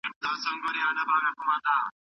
په ګڼ ډګر کي مړ سړی او ږیره نه دي ښکاره سوي.